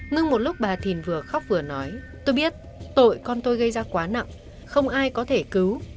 ngưng một lúc bà thìn vừa khóc vừa nói tôi biết tội con tôi gây ra quá nặng không ai có thể cứu